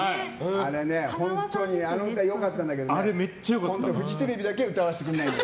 あれ、あの歌良かったんだけどねフジテレビだけは歌わせてくれないのよ。